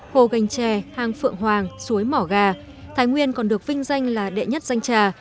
hồ gành trè hàng phượng hoàng suối mỏ gà thái nguyên còn được vinh danh là đệ nhất danh trà